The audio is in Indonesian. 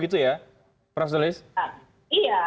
kawan kawan gerakan perempuan ya